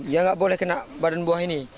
ya nggak boleh kena badan buah ini